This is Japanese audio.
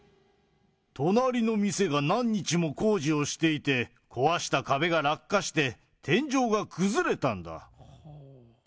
隣の店が何日も工事をしていて、壊した壁が落下して、天井が崩れたんだ。